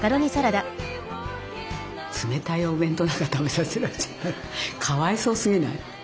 冷たいお弁当なんか食べさせられちゃったらかわいそうすぎない？